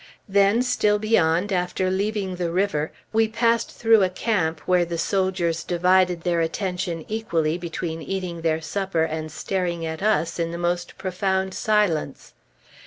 Then still beyond, after leaving the river, we passed through a camp where the soldiers divided their attention equally between eating their supper and staring at us in the most profound silence.